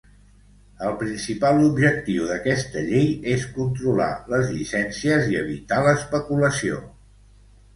El principal objectiu d'aquesta llei és controlar les llicències i evitar l'especulació.